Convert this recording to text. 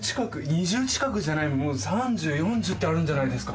２０近くじゃないもう３０４０ってあるんじゃないですか？